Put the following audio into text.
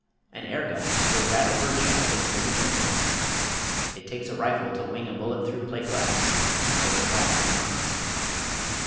An air gun will rattle bird shot against a window pane it takes a rifle to wing a bullet through plate glass and the oaken walls beyond.